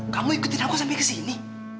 kamu ikutin aku sampe kesini